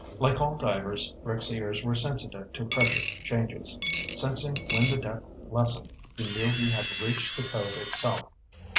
Like all divers, Rick's ears were sensitive to pressure changes. Sensing when the depth lessened, he knew he had reached the cove itself.